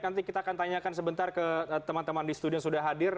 nanti kita akan tanyakan sebentar ke teman teman di studio yang sudah hadir